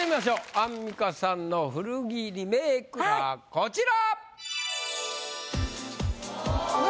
アンミカさんの古着リメイクがこちら！